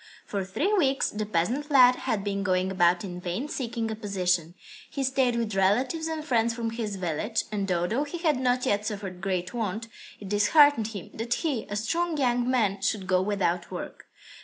For three weeks the peasant lad had been going about in vain seeking a position. He stayed with relatives and friends from his village, and although he had not yet suffered great want, it disheartened him that he, a strong young man, should go without work.